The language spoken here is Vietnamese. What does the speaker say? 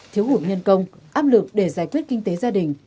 thiếu hụt nhân công áp lực để giải quyết kinh tế gia đình